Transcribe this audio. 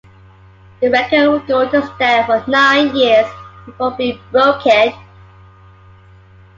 The record would go to stand for nine years before being broken.